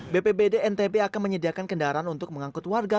bpbd ntb akan menyediakan kendaraan untuk mengangkut warga